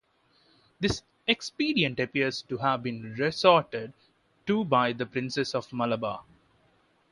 This expedient appears to have been resorted to by the princes of Malabar.